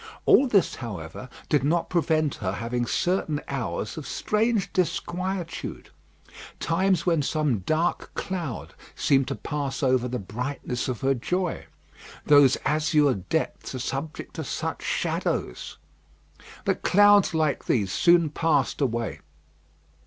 All this, however, did not prevent her having certain hours of strange disquietude; times when some dark cloud seemed to pass over the brightness of her joy. Those azure depths are subject to such shadows! But clouds like these soon passed away.